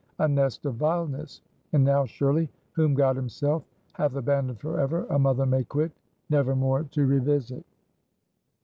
A nest of vileness! And now, surely, whom God himself hath abandoned forever, a mother may quit, never more to revisit."